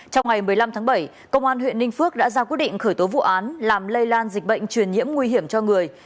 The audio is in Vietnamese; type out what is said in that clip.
trong ngày một mươi năm tháng bảy công an huyện ninh phước đã ra quyết định khởi tố vụ án làm lây lan dịch bệnh truyền nhiễm nguy hiểm cho người